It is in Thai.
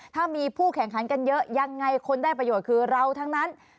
ถ้ามีผู้แข่งขันกันเยอะยังไงคนได้ประโยชน์คือเราทั้งนั้น